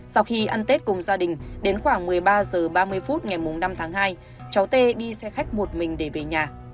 sau khi ăn tết cùng gia đình đến khoảng một mươi ba h ba mươi phút ngày năm tháng hai cháu tê đi xe khách một mình để về nhà